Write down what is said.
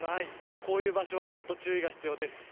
こういう場所は注意が必要です。